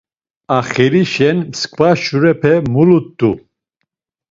Axirişen mskva şurape mulut̆u.